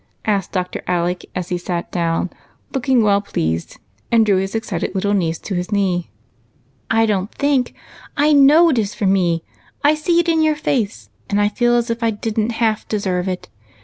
" asked Dr. Alec, as he sat down look ing well pleased, and drew his excited little niece to his knee. " I don't think.) I knoin it is for me ; I see it in your f ace,'^nd I feel as if I did n't half deserve it.